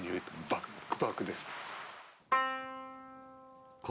バックバクです。